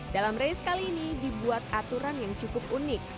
dalam race kali ini dibuat aturan yang cukup unik